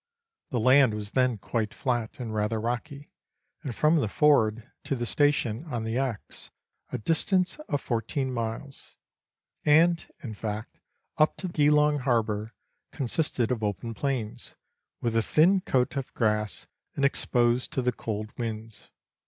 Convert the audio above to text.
The land was then quite flat, and rather rocky; and from the ford to the station on the Exe, a distance of fourteen miles, and, in fact, up to Geelong Harbour, consisted of open plains, with a thin coat of grass, and exposed to the cold winds.